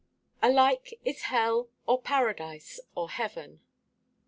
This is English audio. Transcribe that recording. "ALIKE IS HELL, OR PARADISE, OR HEAVEN."